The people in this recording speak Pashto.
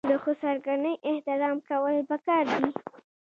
د خسرګنۍ احترام کول پکار دي.